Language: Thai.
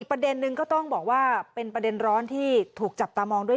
ประเด็นนึงก็ต้องบอกว่าเป็นประเด็นร้อนที่ถูกจับตามองด้วย